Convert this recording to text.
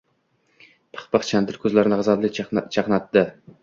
Pixpix Chandr ko‘zlarini g‘azabli chaqnatdi: